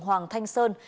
hoàng thanh sơn